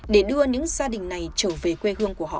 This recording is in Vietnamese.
để đưa những gia đình này trở về quê hương của họ